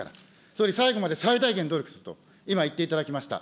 総理、最後まで最大限努力すると、今言っていただきました。